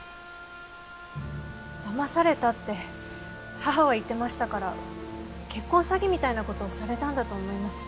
騙されたって母は言ってましたから結婚詐欺みたいな事をされたんだと思います。